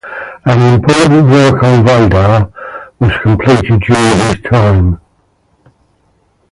An important work on Vedas was completed during his time.